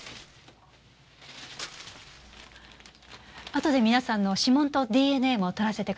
あとで皆さんの指紋とＤＮＡも採らせてください。